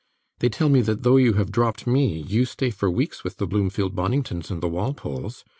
They tell me that though you have dropped me, you stay for weeks with the Bloomfield Boningtons and the Walpoles.